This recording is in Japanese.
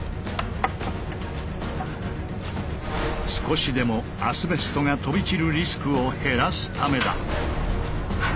少しでもアスベストが飛び散るリスクを減らすためだ。